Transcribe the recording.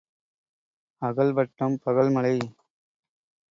அகல் வட்டம் பகல் மழை.